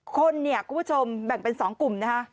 คนเนี่ยคุณผู้ชมแบ่งเป็น๒กลุ่มนะฮะ